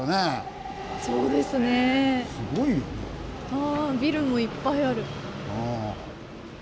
あビルもいっぱいある。